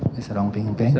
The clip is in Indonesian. mr peng peng